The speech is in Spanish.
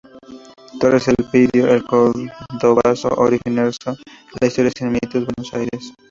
Torres, Elpidio: "El cordobazo organizado: la historia sin mitos" Buenos Aires.